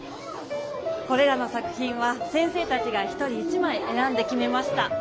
これらの作品は先生たちが一人一まいえらんできめました。